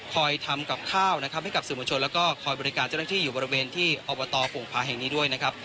ทำกับข้าวนะครับให้กับสื่อมวลชนแล้วก็คอยบริการเจ้าหน้าที่อยู่บริเวณที่อบตโป่งพาแห่งนี้ด้วยนะครับ